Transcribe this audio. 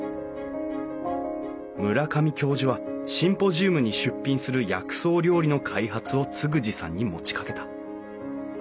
村上教授はシンポジウムに出品する薬草料理の開発を嗣二さんに持ちかけた。